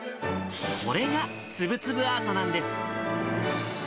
これがつぶつぶアートなんです。